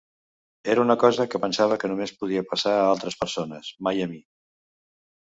Era una cosa que pensava que només podia passar a altres persones, mai a mi.